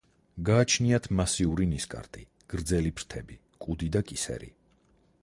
გააჩნიათ მასიური ნისკარტი, გრძელი ფრთები, კუდი და კისერი.